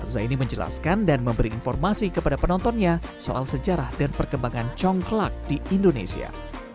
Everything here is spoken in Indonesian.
zaini menjelaskan dan memberi informasi kepada penontonnya soal sejarah dan perkembangan congklak di indonesia